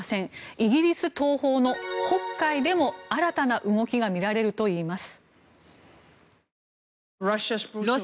イギリス東方の北海でも新たな動きが見られるといいます。